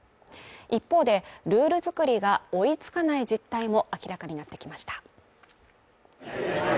一方で、ルール作りが追いつかない実態も明らかになってきました。